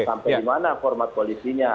sampai dimana format koalisinya